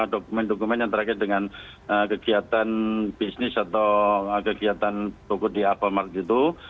dokumen dokumen yang terakhir dengan kegiatan bisnis atau kegiatan toko di alphamart itu